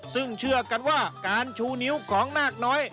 ซึ่งเชื่อกันว่าการชูนิ้วของนาคน้อย